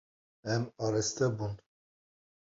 Em araste bûn.